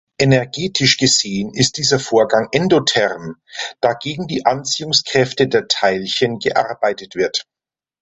Energetisch gesehen ist dieser Vorgang endotherm, da gegen die Anziehungskräfte der Teilchen gearbeitet wird.